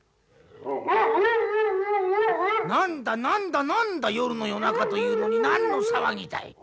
何だ何だ何だ夜の夜中というのに何の騒ぎだい。